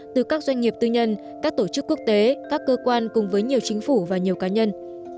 từ các doanh nghiệp tư nhân các tổ chức quốc tế các cơ quan cùng với nhiều chính phủ và nhiều cá nhân